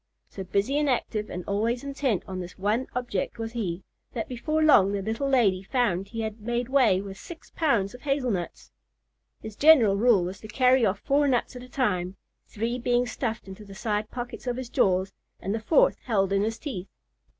So busy and active and always intent on this one object was he, that before long the little lady found he had made way with six pounds of hazel nuts. His general rule was to carry off four nuts at a time—three being stuffed into the side pockets of his jaws, and the fourth held in his teeth.